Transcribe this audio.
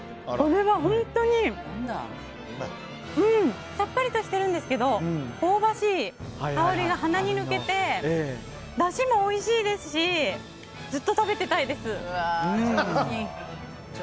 これは本当にさっぱりとしてるんですけど香ばしい香りが鼻に抜けてだしもおいしいですしずっと食べていたいです。